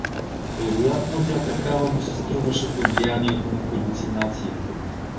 Вероятно тя такава му се струваше под влиянието на халюцинацията.